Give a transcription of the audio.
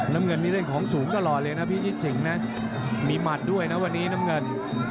น้ำเงินนี่เล่นของสูงตลอดเลยนะพิชิตสิงนะมีหมัดด้วยนะวันนี้น้ำเงิน